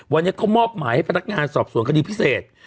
วันนี้เขามอบหมายให้พนักงานสอบสวนคดีพิเศษ